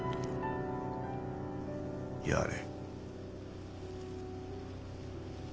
やれ。